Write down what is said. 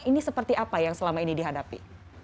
ini seperti apa yang selama ini dihadapi